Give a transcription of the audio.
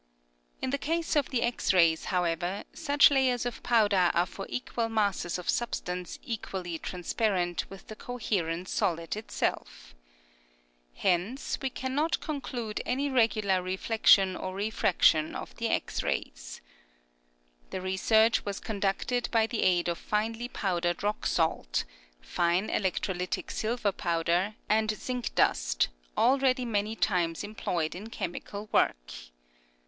In the case of the X rays, however, such layers of powder are for equal masses of substance equally trans parent with the coherent solid itself. Hence we cannot conclude any regular reflection or refraction of the X rays. The research was conducted by the aid of finely powdered rock salt, fine electrolytic silver powder, and zinc dust, already many times em ployed in chemical work.